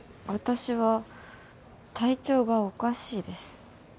私は体調がおかしいです。